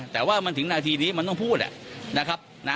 แต่ว่ามันถึงนาทีนี้มันต้องพูดนะครับ